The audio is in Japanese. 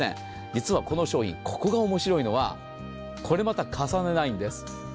実はこの商品、ここが面白いのはここがまた、重ねないんです。